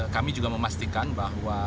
kami juga memastikan bahwa